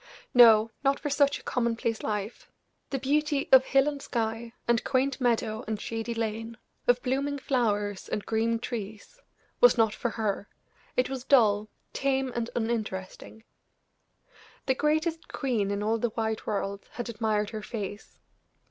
No, not for such a commonplace life. The beauty of hill and sky, and quaint meadow and shady lane, of blooming flowers and green trees, was not for her; it was dull, tame and uninteresting. The greatest queen in all the wide world had admired her face.